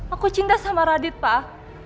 aku cinta sama radit pak